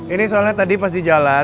ini soalnya tadi pas di jalan